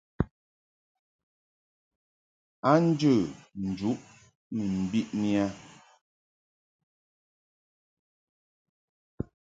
A njə njuʼ ni mbiʼni a.